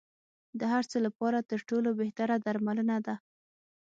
د هر څه لپاره تر ټولو بهتره درملنه ده.